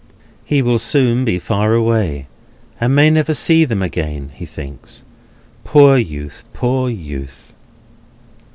He will soon be far away, and may never see them again, he thinks. Poor youth! Poor youth!